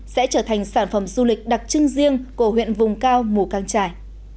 sẽ trở thành sản phẩm du lịch đặc trưng riêng của huyện vùng cao mù căng trải